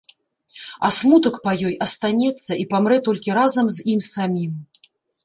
А смутак па ёй астанецца і памрэ толькі разам з ім самім.